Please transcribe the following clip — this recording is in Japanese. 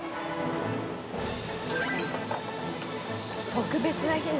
特別な日に？